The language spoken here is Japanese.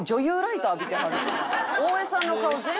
大江さんの顔全然。